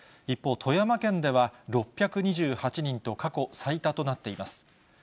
一方、富山県では６２８人と、過去最多となっています。